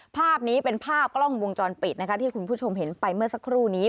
ภาพนี้เป็นภาพกล้องวงจรปิดนะคะที่คุณผู้ชมเห็นไปเมื่อสักครู่นี้